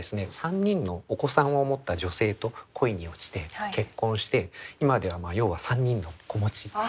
３人のお子さんを持った女性と恋に落ちて結婚して今では要は３人の子持ち。